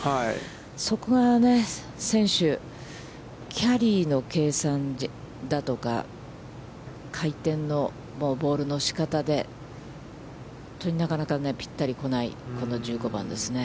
そこが、選手、キャリーの計算だとか、回転のボールの仕方で、なかなかぴったりこない、この１５番ですね。